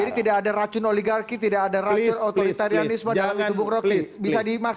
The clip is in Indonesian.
jadi tidak ada racun oligarki tidak ada racun otoritarianisme dalam hidup roki